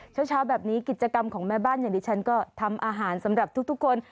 เช้าแบบนี้กิจกรรมของแม่บ้านอย่างดิฉันก็ทำอาหารสำหรับทุกคน